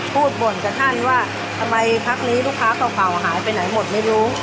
บ่นกับท่านว่าทำไมพักนี้ลูกค้าเก่าหายไปไหนหมดไม่รู้